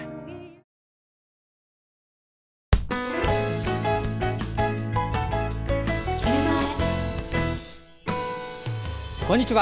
こんにちは。